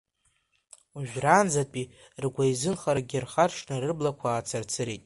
Уажәраанӡатәи ргәеизынхарагьы рхаршҭны рыблақәа аацырцырит.